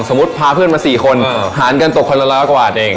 สมมุติพาเพื่อนมา๔คนหารกันตกคนละ๑๐๐บาทเอง